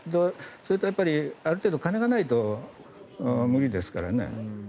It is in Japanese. それと、ある程度金がないと無理ですからね。